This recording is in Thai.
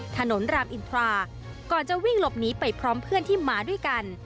รามอินทราก่อนจะวิ่งหลบหนีไปพร้อมเพื่อนที่มาด้วยกัน